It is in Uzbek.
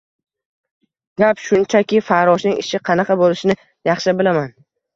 Gap shundaki, farroshning ishi qanaqa bo‘lishini yaxshi bilaman.